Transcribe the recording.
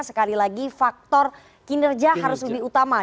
sekali lagi faktor kinerja harus lebih utama